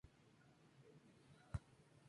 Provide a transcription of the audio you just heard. Su trazado une pueblos y paisajes.